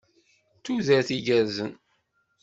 D tudert igerrzen.